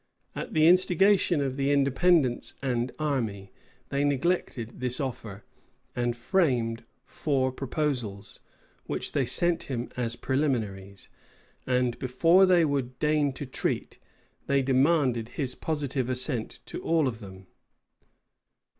At the instigation of the Independents and army, they neglected this offer, and framed four proposals, which they sent him as preliminaries; and before they would deign to treat, they demanded his positive assent to all of them.